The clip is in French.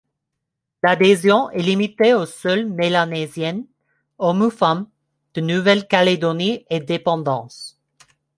L'adhésion est limitée aux seuls Mélanésiens, hommes ou femmes, de Nouvelle-Calédonie et dépendances.